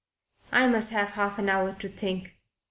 I must have half an hour to think."